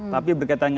tapi berkaitan dengan